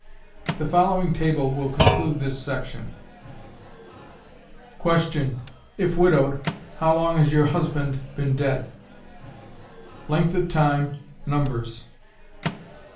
The following table will conclude this section: Question. IF WIDOWED, HOW LONG HAS YOUR HUSBAND BEEN DEAD? Length of Time. Numbers.